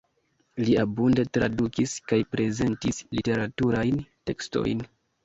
Li abunde tradukis kaj prezentis literaturajn tekstojn.